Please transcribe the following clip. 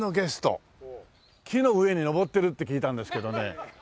木の上に登ってるって聞いたんですけどね。